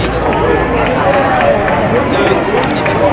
มุมการก็แจ้งแล้วเข้ากลับมานะครับ